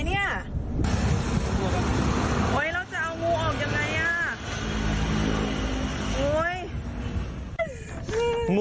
เราจะเอางูออกยังไง